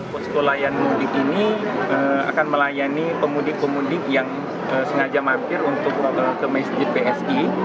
posko layanan mudik ini akan melayani pemudik pemudik yang sengaja mampir untuk ke masjid psi